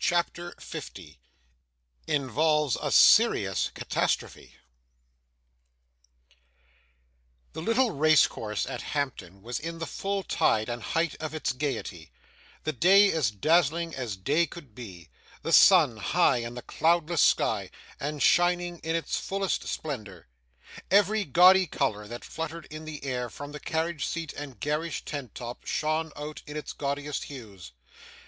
CHAPTER 50 Involves a serious Catastrophe The little race course at Hampton was in the full tide and height of its gaiety; the day as dazzling as day could be; the sun high in the cloudless sky, and shining in its fullest splendour. Every gaudy colour that fluttered in the air from carriage seat and garish tent top, shone out in its gaudiest hues.